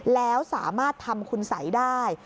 แล้วสามารถทำคุณสัยได้